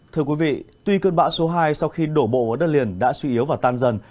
thưa quý vị tuy cơn bão số hai sau khi đổ bộ vào đất liền đã suy yếu và tan dần